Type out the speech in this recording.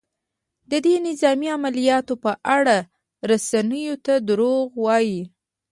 د دې نظامي عملیاتو په اړه رسنیو ته دروغ وايي؟